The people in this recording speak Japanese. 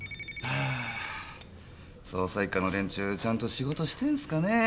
捜査一課の連中ちゃんと仕事してるんスかねえ？